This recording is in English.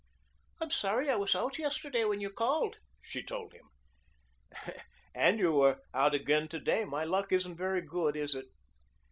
"I'm sorry I was out yesterday when you called," she told him. "And you were out again to day. My luck isn't very good, is it?"